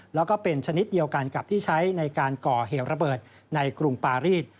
แล้วก็เป็นชนิดเดียวกันกับที่ใช้ในการก่อเหตุระเบิดในกรุงปารีส